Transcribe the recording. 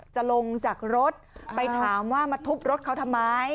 จะลงจากรถไปถามว่ามาทุบรถเขาทำไม